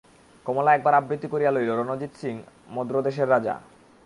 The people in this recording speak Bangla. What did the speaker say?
কমলা একবার আবৃত্তি করিয়া লইল, রণজিৎ সিং, মদ্রদেশের রাজা।